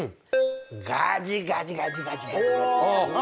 ガジガジガジガジガジ。